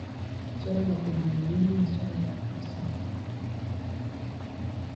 swala la kujiuzulu ni swala la msingi